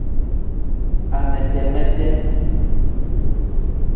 Amete-mete.